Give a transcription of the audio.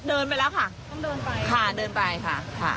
เดินไปแล้วค่ะต้องเดินไปค่ะเดินไปค่ะค่ะ